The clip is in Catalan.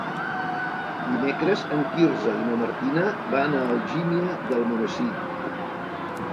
Dimecres en Quirze i na Martina van a Algímia d'Almonesir.